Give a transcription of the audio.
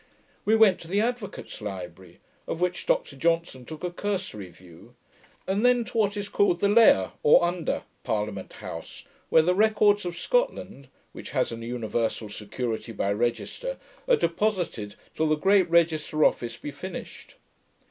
We went to the Advocates' Library, of which Dr Johnson took a cursory view, and then to what is called the Laigh (or Under) Parliament House, where the records of Scotland, which has an universal security by register, are deposited, till the great Register Office be finished.